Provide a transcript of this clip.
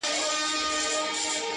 که سره وژنئ که نه، ماته چي زکات راوړئ_